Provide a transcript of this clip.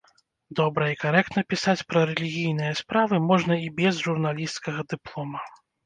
Добра і карэктна пісаць пра рэлігійныя справы можна і без журналісцкага дыплома.